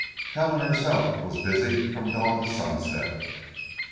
Helen herself was busy from dawn to sunset.